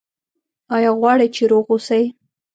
ایا غواړئ چې روغ اوسئ؟